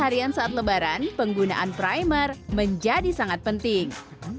harian saat lebaran penggunaan primer menjadi sangat penting